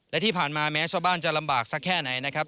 และที่ผ่านมาแม้ชาวบ้านจะลำบากสักแค่ไหนนะครับ